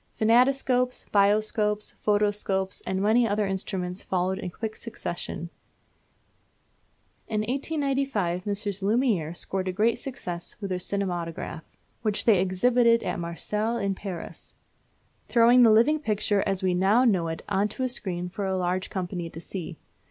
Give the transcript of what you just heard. Phantoscopes, Bioscopes, Photoscopes, and many other instruments followed in quick succession. In 1895 Messrs. Lumière scored a great success with their Cinematograph, which they exhibited at Marseilles and Paris; throwing the living picture as we now know it on to a screen for a large company to see.